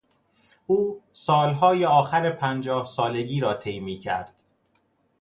او سالهای آخر پنجاه سالگی را طی میکرد.